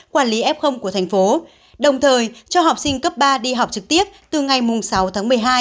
quản lý f của thành phố đồng thời cho học sinh cấp ba đi học trực tiếp từ ngày sáu tháng một mươi hai